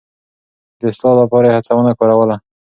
د اصلاح لپاره يې هڅونه کاروله.